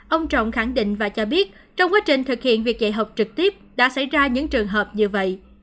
ông trọng khẳng định và cho biết trong quá trình thực hiện việc dạy học trực tiếp đã xảy ra những trường hợp như vậy